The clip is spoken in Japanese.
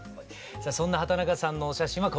さあそんな畑中さんのお写真はこちらです。